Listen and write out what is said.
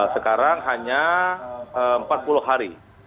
sekarang hanya empat puluh hari